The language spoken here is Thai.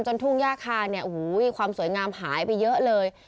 ทุ่งย่าคาเนี่ยโอ้โหความสวยงามหายไปเยอะเลย